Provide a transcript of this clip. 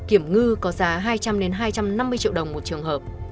kiểm ngư có giá hai trăm linh hai trăm năm mươi triệu đồng một trường hợp